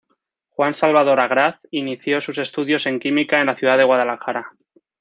Juan Salvador Agraz, inició sus estudios en Química en la Ciudad de Guadalajara.